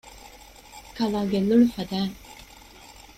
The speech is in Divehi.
ކަލާ ގެއްލުނު ފަދައިން